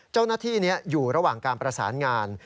เจ้าหน้าที่อยู่ระหว่างการประสานงาน